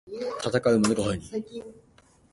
たたかうマヌカハニー